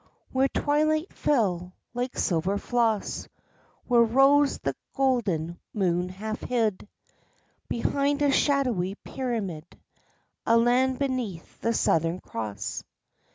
Where twilight fell like silver floss, where rose the golden moon half hid Behind a shadowy pyramid; a land beneath the Southern Cross.